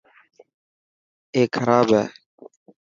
اي کراب هي.